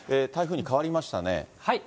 台風に変わりましたね。